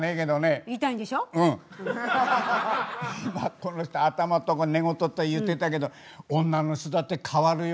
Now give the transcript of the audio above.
この人頭とか寝言と言ってたけど女の人だって変わるよ。